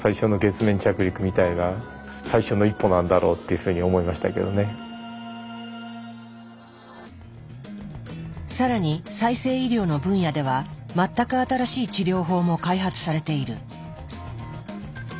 本当に人間の更に再生医療の分野では全く新しい治療法も開発されている。